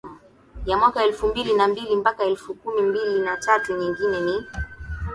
ya mwaka elfu mbili na mbili mpaka elfu mbili kumi na tatu Nyingine ni